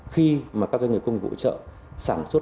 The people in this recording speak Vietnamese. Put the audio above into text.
khi mà các doanh nghiệp công nghiệp hỗ trợ sản xuất